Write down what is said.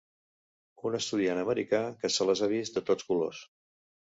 Un estudiant americà que se les ha vist de tots colors.